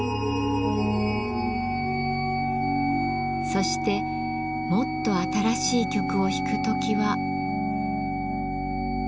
そしてもっと新しい曲を弾く時は。